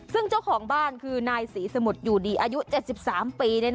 ซึ่งเจ้าของบ้านคือนายศรีสมุทรอยู่ดีอายุ๗๓ปี